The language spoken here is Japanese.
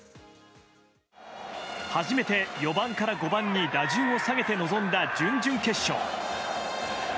初めて４番から５番に打順を下げて臨んだ準々決勝。